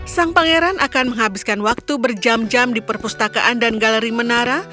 sang pangeran akan menghabiskan waktu berjam jam di perpustakaan dan galeri menara